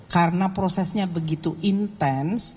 karena prosesnya begitu intens